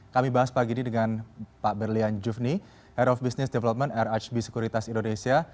kami bahas pagi ini dengan pak berlian jufni head of business development rhb sekuritas indonesia